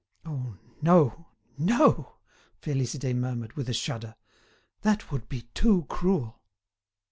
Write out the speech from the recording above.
"Oh! no, no," Félicité murmured, with a shudder. "That would be too cruel."